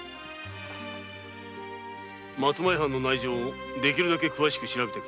松前藩の内情をできるだけ詳しく調べてくれ。